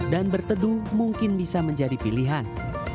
dan berteduh mungkin bisa menjadi pilihan